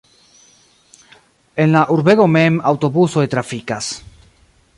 En la urbego mem aŭtobusoj trafikas.